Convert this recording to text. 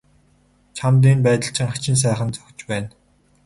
Чамд энэ байдал чинь хачин сайхан зохиж байна.